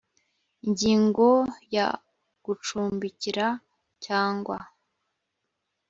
ingingo ya gucumbikira cyangwa